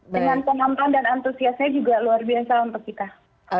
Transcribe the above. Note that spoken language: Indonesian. dengan penonton dan antusiasnya juga luar biasa untuk kita